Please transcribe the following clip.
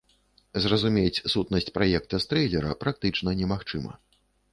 Зразумець сутнасць праекта з трэйлера практычна немагчыма.